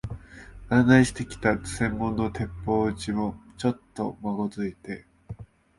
案内してきた専門の鉄砲打ちも、ちょっとまごついて、